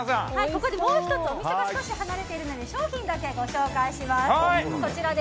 ここでもう１つお店が離れているので商品だけご紹介します。